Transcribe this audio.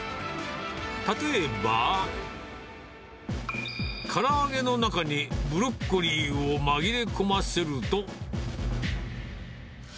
例えば、から揚げの中にブロッコリーを紛れ込ませると。